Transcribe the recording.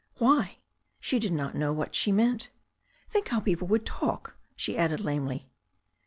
"Why !" She did not know what she meant. "Think how people would talk," she added lamely.